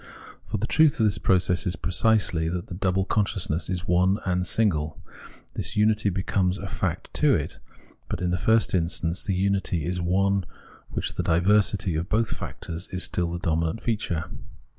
For the truth of this process is precisely that the double consciousness is one and single. This unity becomes a fact to it, but in the first instance the miity is one in which the diversity of both factors is still the dominant feature.